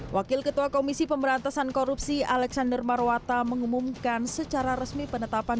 wakil ketua komisi pemberantasan korupsi alexander marwata mengumumkan secara resmi penetapan